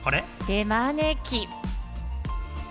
手招き。